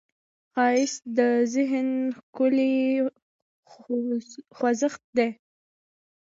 ښایست د ذهن ښکلې خوځښت دی